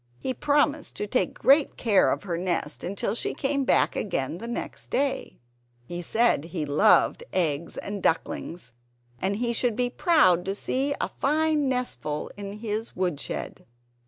He promised to take great care of her nest until she came back again the next day. He said he loved eggs and ducklings; he should be proud to see a fine nestful in his woodshed.